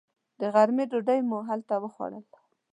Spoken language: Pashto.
د غرمې ډوډۍ مو هلته وخوړل.